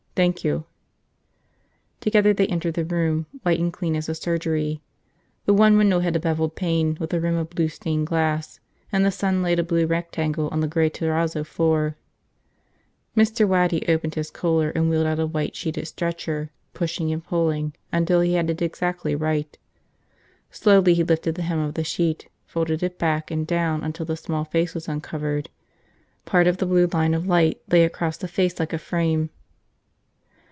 Thank you." Together they entered the room, white and clean as a surgery. The one window had a beveled pane with a rim of blue stained glass, and the sun laid a blue rectangle on the gray terrazzo floor. Mr. Waddy opened his cooler and wheeled out a white sheeted stretcher, pushing and pulling until he had it exactly right. Slowly he lifted the hem of the sheet, folded it back and down until the small face was uncovered. Part of the blue line of light lay around the face like a frame.